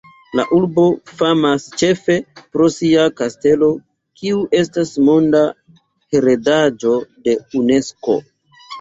La urbo famas ĉefe pro sia kastelo, kiu estas monda heredaĵo de Unesko.